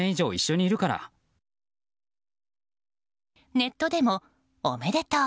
ネットでも、おめでとう！